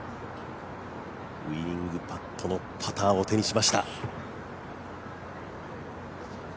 ウイニングパットのパターを手にしました。